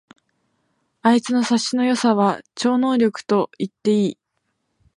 あいつの察しの良さは超能力と言っていい